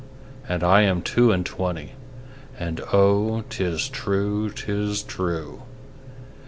'And I am two and twenty, And oh, 'tis true, 'tis true.